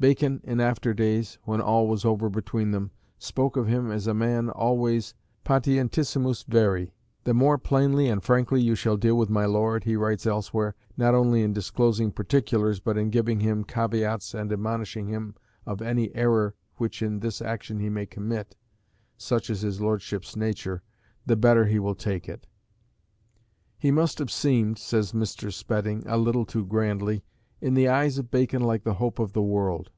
Bacon in after days, when all was over between them, spoke of him as a man always patientissimus veri; "the more plainly and frankly you shall deal with my lord," he writes elsewhere, "not only in disclosing particulars, but in giving him caveats and admonishing him of any error which in this action he may commit (such is his lordship's nature), the better he will take it." "He must have seemed," says Mr. Spedding, a little too grandly, "in the eyes of Bacon like the hope of the world."